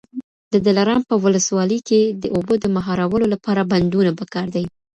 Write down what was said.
د دلارام په ولسوالۍ کي د اوبو د مهارولو لپاره بندونه پکار دي.